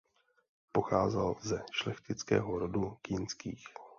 Pocházel ze šlechtického rodu Kinských.